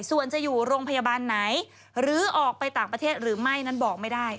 ส่วนจะอยู่โรงพยาบาลไหนหรือออกไปต่างประเทศหรือไม่นั้นบอกไม่ได้